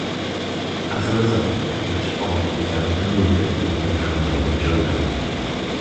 As a result, the Ch'ol began to move into the Lacandon Jungle.